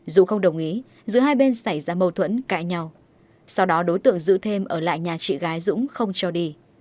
dù không đồng ý giữa hai bên xảy ra mâu thuẫn cãi nhau sau đó đối tượng giữ thêm ở lại nhà chị gái dũng không cho đi